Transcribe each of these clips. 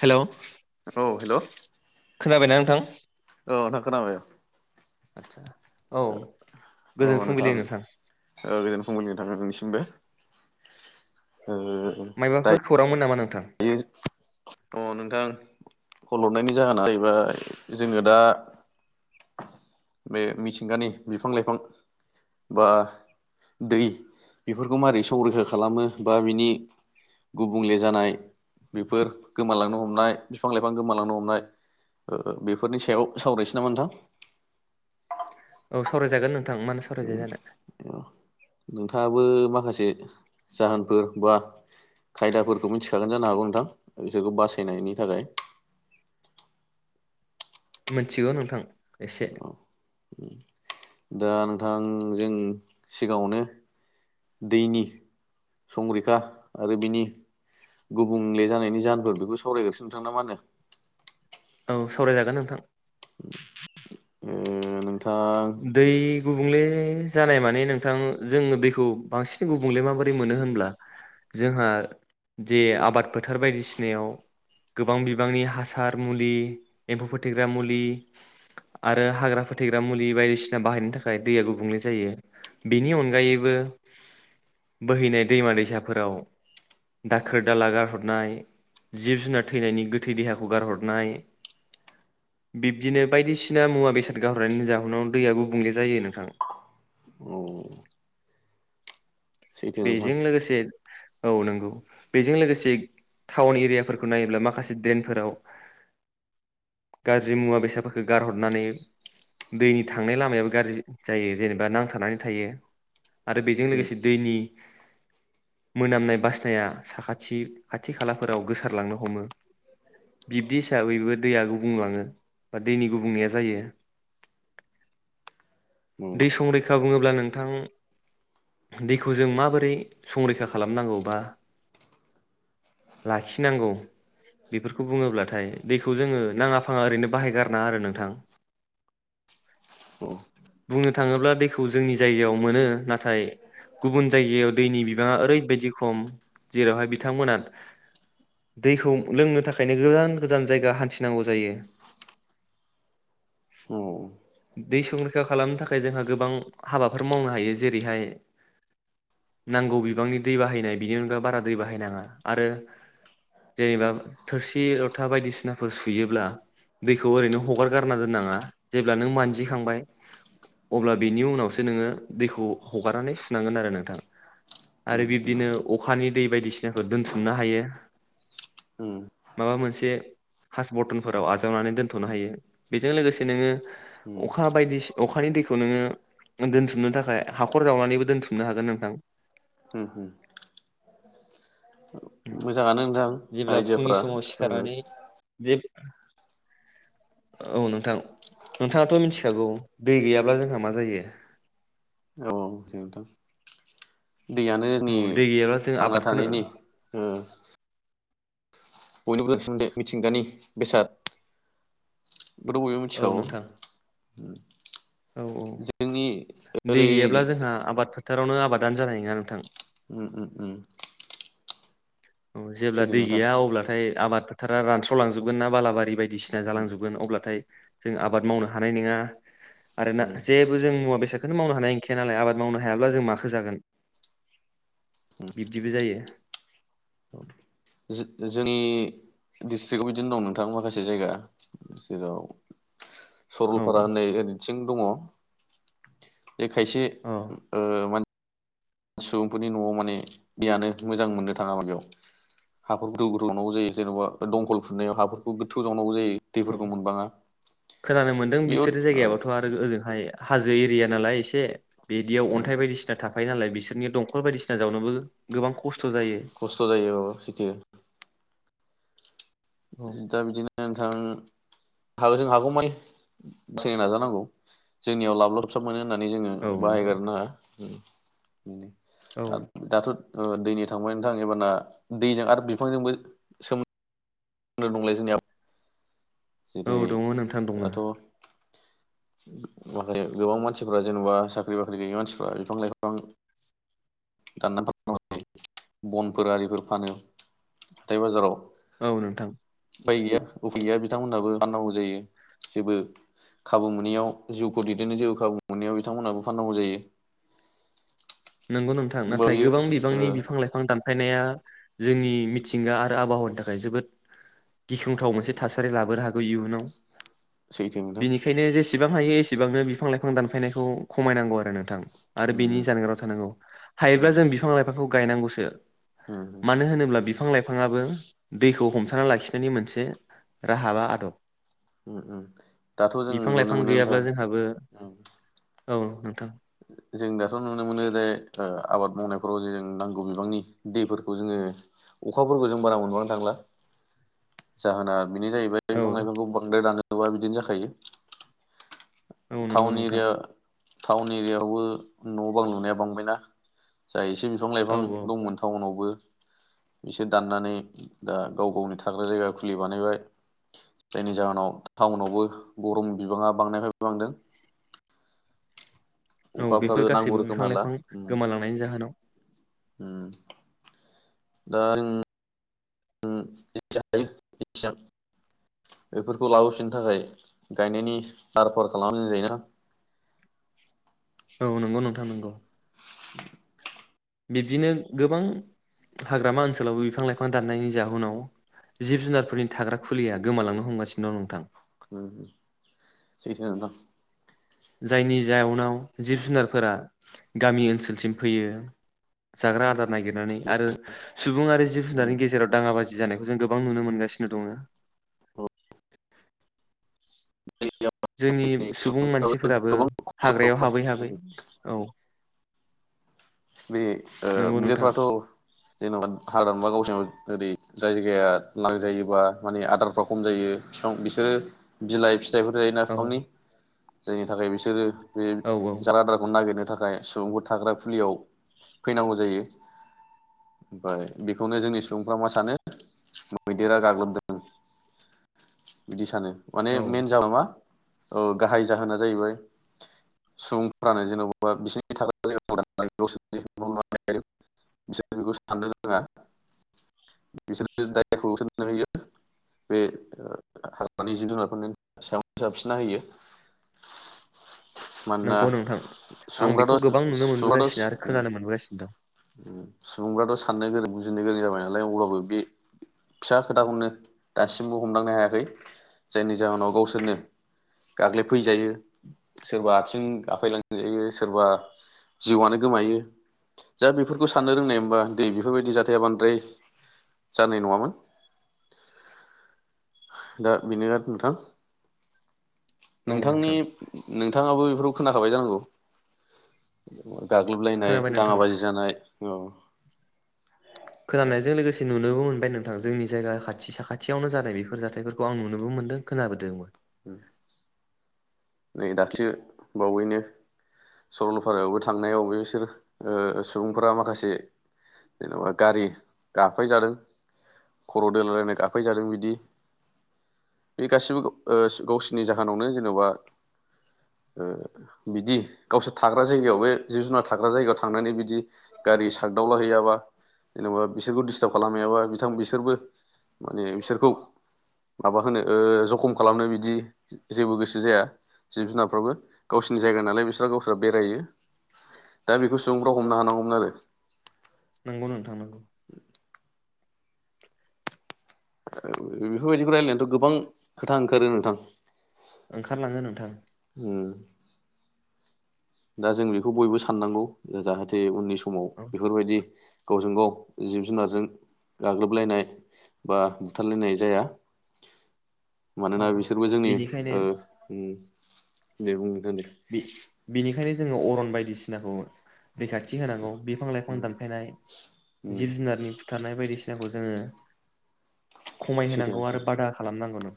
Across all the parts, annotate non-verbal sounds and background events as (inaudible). Hello औ hello खोनाबायना नोंथां? औ आदा खोनाबाय आतसा औ अ गोजोन फुंबिलि नोंथां गोजोन फुंबिलि नोंथा नोंसिमबो मायबाफोर खौरांमोन नामा नों दायो अ नोंथां खल हरनायनि जाहोना जाहैबाय जोङो दा बे मिथिंगानि बिफां लाइफां बा दै बेफोरखौ मारै संरैखा खालामो बा बिनि गुबुंले जानाय बेफोर गोमालांनो हमनाय बिफां लाइफां गोमालांनो हमनाय ओ बेफोरनि सायाव सावरायनसै नामा नोंथां? औ सावरायजागोन नों थां मानो सावराय जाया जानो नोंथाङाबो माखासे जाहोनफोर बा खायदाफोरखौ मोनथिखागोन जानो हागौ नोंथां बिसोरखौ बासायनायनि थाखाय मोनथिगौ नोंथां एसे उम दा नोंथां जों सिगाङावनो दैनि संरैखा आरो बिनि गुबुंले जानायनि जाहोनफोर बेखौ सावरायग्रोसिनो नोंथां ना मा होनो औ सावरायजागोन नोंथां उम ए नों आं दै गुबुंले जानाय माने नोंथां जोंङो दैखौ बांसिन गुबुंले माबोरै मोनो होनब्ला जोंहा जे आबाद फोथार बायदिसिनायाव गोबां बिबांनि हासार मुलि एम्फौ फोथेग्रा मुलि आरो हाग्रा फोथेग्रा मुलि बायदिसिना बाहायनायनि थाखाय दैया गुबुंले जायो बिनि अनगायैबो बोहैनाय दैमा दैसाफोराव दाखोर दाला गारहरनाय जिब जुनार थैनायनि गोथै देहाखौ गारहरनाय बिब्दिनो बायदिसिना मुवा बेसाद गारहरनायनि जाहोनाव दैया गुबुंले जायो नोंथां औ सैथो नोंथां बेजों लोगोसे औ नोंगौ बेजों लोगोसे टाउन एरियाफोरखौ नायोब्ला माखासे देनफोराव गाज्रि मुवा बेसादफोरखौ गारहरनानै दैनि थांनाय लामायाबो गाज्रि जायो जेनेबा नांथानानै थायो आरो बेजों उम लोगोसे दैनि मोनामनाय बासनाया साखाथि खाथि खालाफोराव गोसारलांनो हमो बिब्दि हिसाबैबो दैया गुबुं लाङो बा दैनि गुबुंनाया जायो दै औ संरैखा बुङोब्ला नोंथां दैखौ जों माबोरै संरैखा खालामनांगौ बा लाखिनांगौ बेफोरखौ बुङोब्लाथाय दैखौ जोङो नाङा फाङा ओरैनो बाहायगारनाङा आरो नोंथां बुंनो थाङोब्ला दैखौ जोंनि जायगायाव मोनो नाथाय गुबुन जायगायाव दैनि बिबाङा ओरैबायदि खम जेरावहाय बिथांमोना दैखौ लोंनो थाखायनो गोजान गोजान जायगा हान्थिनांगौ जायो औ दै संरैखा खालामनो थाखाय जोंहा गोबां हाबाफोर मावनो हायो जेरैहाय नांगौ बिबांनि दै बाहायनाय बिनि अनगा बारा दै बाहायनाङा आरो जेनेबा थोरसि लथा बायदिसिनाफोर सुयोब्ला दैखौ ओरैनो हगारगारना दोननाङा जेब्ला नों मानजिखांबाय अब्ला बिनि उनावसो नोङो दैखौ हगारनानै सुनांगोन आरो नोंथां उम आरो बिब्दिनो अखानि दै बायदिसिनाफोर दोनथुमनो हायो उम माबा मोनसे हास बरटनफोराव आजावनानै दोनथनो हायो बेजों लोगोसे नोङो उम अखा बायदि सि- अखानि दैखौ नोङो दोनथुमनो थाखाय हाखर जावनानैबो दोनथुमनो हागोन नोंथां उम उम मोजाङानो नोंथां जेब्ला फुंनि आइदियाफ्रा समाव जों सिखारनानै जे औ नोंथां नोंथाङाथ' मिनथिखागौ दै गैयाब्ला जोंहा मा जायो औ जे नोंथां दैयानो औ जोंनि दै गैयाब्ला जों थांना आबादखौनो थानायनि उम बयनोबोसिमबो मिथिंगानि बेसाद खौथ' बयबो औ मिथिखागौ (inaudible) नोंथां औ औ जोंनि दै ओरै गैयाब्ला जोंहा आबाद फोथारावनो आबाद दान जानाय नोङा नोंथां उम उम उम अ जेब्ला सैथो दै नोंथां गैया अब्लाथाय आबाद फोथारा रानस्रावलांजोबगोन ना बालाबा रि बायदिसिना उम जालांजोबगोन अब्लाथाय जों आबाद मावनो हानाय नङा आरोना उम जेबो जों मुवा बेसाद बेखौनो मावनो हानाय (unintelligible) नालाय आबाद मावनो हायाब्ला जों माखो जागोन बिब्दिबो जायो औ जो जोनि डिस्ट्रिकआव बिदिनो दं नोंथां माखासे जायगा जेराव औ सरलपारा होननाय (unintelligible) थिं दङ जे खायसे औ ओ मान सुबुंफोरनि न'आव माने दैयानो मोजां मोननो थाङा मा बेयाव हाफोर गोथौ गोथौ जावनांगौ जायो जेन'बा दंखल फुनायाव हाफोरखौ गोथौ जावनांगौ जायो औ दैफोरखौ मोनबाङा खोनानो मोनदों बेयाव बिसोरो ओ जायगायाबाथ' आरो ओजोंहाय हाजो एरिया नालाय एसे बिदियाव उम अन्थाइ बायदिसिना थाफायो नालाय बिसोर नि दंखल बायदिसिना जावनोबो गोबां खस्थ जायो खस्थ' जायो औ औ सिटि औ दा बिदिनो थां हा जों हागौमाय (inaudible) नाजानांगौ जोंनियाव लाबलाबसाब मोनो होननानै जोङो औ नंगौ नोंथां बाहायगारनाङा ओम औ (inaudible) ओ दाथ' ओ दैनि थांबाय नोंथां एबारना दैजों आरो बिफांजोंबो सोम दे बुंलाय जोंनिया औ जेरै दङो नोंथां दङो दाथ' (unintelligible) गोबां मानसिफोरा जेन'बा साख्रि बाख्रि गैयै मानसिफ्रा बिफां लाइफां दाननानै (unintelligible) बनफोर आरिफोर फानो हाथाय बाजाराव औ नोंथां (unintelligible) गैया उफाय गैया बि बिथांमोनहाबो फाननांगौ जायो जेबो खाबु मोनैयाव जिउखौ दैदेननो जेबो खाबु मोनैयाव बिथांमोनहाबो फाननांगौ जायो नंगौ नोंथां होमबा नाथाय बियो गोबां ओ बिबांनि बिफां लाइफां दानफायनाया जोंनि मिथिंगा आरो आबहावानि थाखाय जोबोद गिख्रंथाव मोनसे थासारि लाबोनो हागौ इयुनाव सैथो नोंथां इसेबां हायो एसेबांनो बिफां लाइफां दानफायनायखौ खमायनांगौ आरो नोंथां आरो बिनि नोंथां जानगाराव नंगौ हायोब्ला उम जों बिफां लाइफांखौ गायनांगौसो उम मानो होनोब्ला बि बिफां लाइफाङाबो दैखौ हमथाना लाखिनायनि मोनसे राहा बा आदब उम उम दाथ' जों बिफां नुनो लाइफां मोनो गैयाब्ला नोंथां जोंहाबो उम औ नोंथां जों दाथ' नुनो मोनो जे ओ आबाद मावनायफोराव जों नांगौ बिबांनि दैफोरखौ जोङो अखाफोरखौ जों बारा मोनबांनो थांला जाहोना बेनो जाहैबाय औ बिफां लाइफांखौ बांद्राय दानो (unintelligible) बिदिनो जाखायो औ नंगौ थाउन नोंथां एरिया टाउन एरिआ यावबो न' बां लुनाया बांबायना जा एसे बिफां लाइफां औ औ दंमोन टाउनावबो बिसोर दाननानै दा गाव गावनि थाग्रा जायगा खुलि बानायबाय जायनि जाहोनाव टाउनावबो गरम बिबाङा बांनाय फाय बांदों औ बेफोर अखाफ्राबो नांगौ गासैबो रोखोम बिफां हाला लाइफां उम गोमालांनायनि जाहोनाव उम (unintelligible) बेफोरखौ लाबोफिननो थाखाय गायनायनि लाहार फाहार खालाम (unintelligible) जायोना औ नंगौ नोंथां नंगौ (inaudible) बिबदिनो गोबां हाग्रामा ओनसोलावबो बिफां लाइफां दाननायनि जाहोनाव जिब जुनारफोरनि थाग्रा खुलिया गोमालांनो हमगासिनो दं नोंथां ओम सैथो नोंथां जायनि जाउनाव जिब जुनारफोरा गामि ओनसोलसिम फैयो जाग्रा आदार नागिरनानै आरो सुबुं आरो जिब उम जुनारनि गेजेराव दाङा बाजि जानाय जों गोबां नुनो मोनगासिनो दङो जोंनि सुबुं सुबुंफ्राबो मानसिफोराबो गोबां हाग्रायाव हाबै हाबै खस्थ' औ बे ओ नंगौ नोंथां मैदिरफ्राथ' जेनेबा (unintelligible) गावसोराव ओरै जाय जायगाया लांजायोबा माने आदारफ्रा खम जायो बिफां बिसोरो बिलाइ फिथाइफोर जायो ना औ बिफांनि जायनि थाखाय बिसोरो बे औ औ जालादारखौ नायगिरनो थाखाय सुबुंखौ थाग्रा फुलियाव फैनांगौ जायो ओमफाय बेखौनो जोंनि सुबुंफ्रा मा सानो मैदेरा गाग्लोबदों बिदि सानो माने औ मेन जाउना मा औ गाहाय जाहोना जाहैबाय सुबुंफ्रानो जेनबबा बिसोरनि (unintelligible) हाग्रानि जिब जुनारफोरनि सायाव जाबसिन्ना होयो। मानोना नंगौ नोंथां आं बेखौ सुबुंफ्राथ' गोबां नुनो सुबुंफ्राथ' मोनबोगासिनो आरो खोनानो मोनबोगासिनो दं सुबुंफ्राथ' साननो गोरों बुजिनो गोरों जाबाय नालाय अब्लाबो बे फिसा खोथाखौनो दासिमबो हमदांनो हायाख जायनि जाहोनाव गावसोरनो गाग्लोब फैजायो सोरबा आथिं गाफायलांजायो सोरबा जिउआनो गोमायो दा बेफोरखौ साननो रोंनायमोनबा दै बेफोरबायदि जाथाया बांद्राय जानाय नङामोन दा बिनो ना नोंथां औ नोंथांनि नोंथां नोंथाङाबो बे खोनाखाबाय जानांगौ गाग्लोबलायनाय खोनाबाय नोंथां दाङाबाजि जानाय औ खोनानायजों लोगोसे नुनोबो मोनबाय नोंथां जोंनि जायगा खाथि साखाथियावनो जानाय बेफोर जाथायफोरखौ आं नुनोबो मोनदों खोनाबोदोंबो उम नै दाख्लि बावैनो सरलपारायावबो थांनायाव बेसोर ओ सुबुंफोरा माखासे जेनेबा गारि गाफायजादों खर दोनायलायनाय गाफायजादों बिदि बे ओ गासिबो गावसिनि जाहोनावनो जेनबा ओ बिदि गावसोर थाग्रा जायगायाव बे जिब जुनार थाग्रा जायगायाव थांनानै बिदि गारि सागदावला हैयाबा जेनेबा बिसोरखौ डिस्टार्ब खालामहैयाबा बिथां बिसोरबो माने बिसोरखौ माबा होनो ओ जखम खालामनो बिदि जेबो गोसो जाया जिब जुनारफ्राबो गावसोरनि जायगा नालाय बिस्रा गावसोर बेरायो दा बेखौ सुबुंफोरा हमनो हानांगौमोन आरो नंगौ नोंथां नंगौ बेफोर बायदिखौ रायलायनायावथ गोबां खोथा ओंखारो नोंथां ओंखारलाङो नोंथां उम दा जों बेखौ बयबो साननांगौ जाहाथे उननि स माव औ बेफोर बायदि गावजों गाव जिब जुनारजों गाग्लोबलायनाय बा बुथारलायनाय जाया औ मानोना बिसोरबो जोंनि बेनिखायनो ओ‌ उम दे बुं बि बिनिखायनो जोङो अरन बायदिसिनाखौ रैखाथि होनांगौ बिफां लाइफां उम दानफायनाय उम जिब जुनारनि बुथारनाय बायदिसिनाखौ जोङो खमाय सैथो होनांगौ नोंथां आरो बादा खालामनांगौनो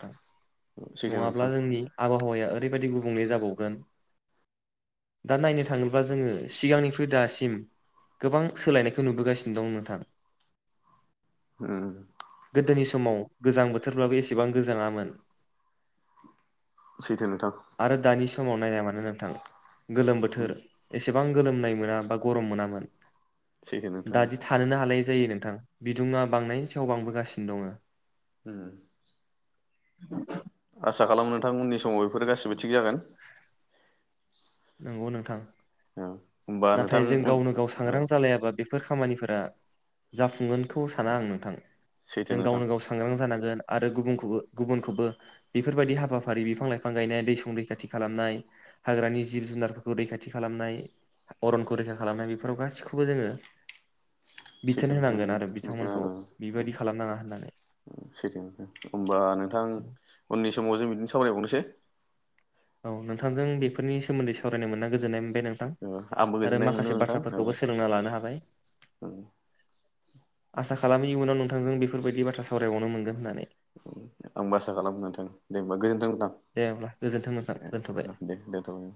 (unintelligible) सैथो नङाब्ला नोंथां जोंनि आबहावाया ओरैबायदि गु बुंले जाबावगोन दा नायनो थाङोब्ला जोङो सिगांनिख्रुइ दासिम गोबां सोलायनायखौ नुबोगासिनो दं नोंथां गोदोनि हम समाव गोजां बोथोरब्लाबो एसेबां गोजाङामोन सैथो नोंथां आरो दानि समाव नायामोन उम नोंथां गोलोम बोथोर उम एस एसेबां गोलोमनाय मोना बा गरम मोनामोन सैथो नोंथां दादि थानोनो हालाय जायो नोंथां बिदुङा बांनायनि सायाव बांबोगासिनो दङो ओम (inaudible) आसा खालामो नोंथां‌ उननि‌ समाव बे बेफोरो गासिबो थिग जागोन नंगौ नोंथां होमबा नोंथां नाथाय जों उन गावनो गाव औ सांग्रां जालायाबा बेफोर खामानिफोरा जाफुंगोन खौ साना आं नोंथां सैथो जों नोंथां गावनो गाव सांग्रां जानांगोन आरो गुबुनखौबो गुबुनखौबो बेफोरबायदि हाबाफारि बिफां लाइफां गायनाय दै सं रैखाथि खालामनाय हाग्रानि जिब जुनारफोरखौ रैखाथि खालामनाय अरनखौ रैखा खालामनाय बेफोराव गासिखौबो जोङो बिथोन सैथो होनांगोन आरो बिथांमोनखौ बेबायदि खालामनाङा होननानै (unintelligible) होमबा नोंथां उननि समाव जों बिदिनो सावरायबावनोसै औ नोंथांजों बेफोरनि सोमोन्दै सावरायनो मोनना गोजोननाय मोन नोंथां ओ आंबो आरो गोजोननाय मोनदों माखासे नोंथां ओ बाथ्राफोरखौबो सोलोंना लानो हाबाय आसा खालामो इयुनाव नोंथांजों बि बेफोरबायदि बाथ्रा सावरायबावनो मोनगोन होननानै आंबो आसा खालामो नोंथां जेनबा गोजोनथों औ दे अब्ला गोजोन्थों नोंथां ए दोनथ'बाय औ दे दोनथ'बाय औ